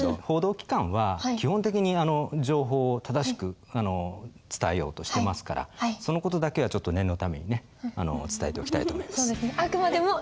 報道機関は基本的に情報を正しく伝えようとしてますからその事だけは念のためにね伝えておきたいと思います。